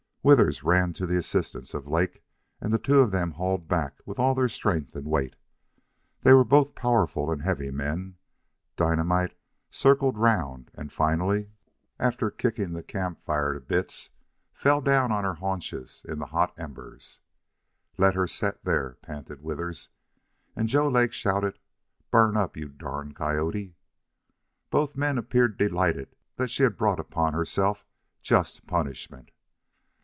Withers ran to the assistance of Lake, and the two of them hauled back with all their strength and weight. They were both powerful and heavy men. Dynamite circled round and finally, after kicking the camp fire to bits, fell down on her haunches in the hot embers. "Let her set there!" panted Withers. And Joe Lake shouted, "Burn up, you durn coyote!" Both men appeared delighted that she had brought upon herself just punishment.